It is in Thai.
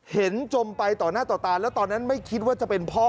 จมไปต่อหน้าต่อตาแล้วตอนนั้นไม่คิดว่าจะเป็นพ่อ